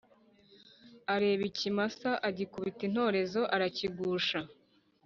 Areba ikimasa agikubita intorezo arakigusha